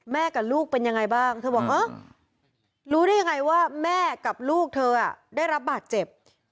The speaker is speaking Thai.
กับลูกเป็นยังไงบ้างเธอบอกเออรู้ได้ยังไงว่าแม่กับลูกเธอได้รับบาดเจ็บ